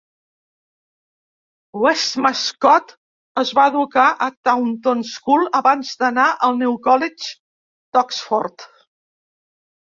Westmacott es va educar a Taunton School abans d'anar al New College d'Oxford.